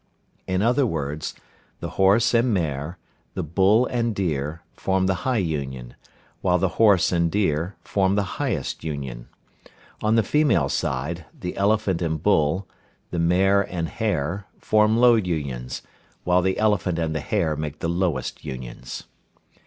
In other words, the horse and mare, the bull and deer, form the high union, while the horse and deer form the highest union. On the female side, the elephant and bull, the mare and hare, form low unions, while the elephant and the hare make the lowest unions.